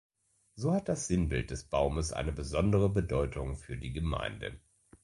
So hat das Sinnbild des Baumes eine besondere Bedeutung für die Gemeinde.